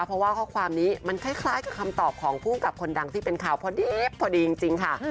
เพราะว่าข้อความนี้มันคล้ายกับคำตอบของผู้กับคนดังที่เป็นข่าวพอดีพอดีจริงค่ะ